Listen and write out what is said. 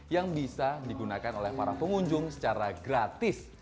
yang bisa digunakan oleh para pengunjung secara gratis